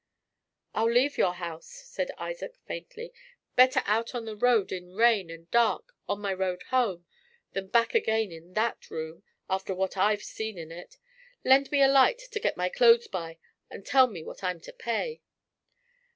"I'll leave your house," said Isaac, faintly. "Better out on the road, in rain and dark, on my road home, than back again in that room, after what I've seen in it. Lend me a light to get my clothes by, and tell me what I'm to pay."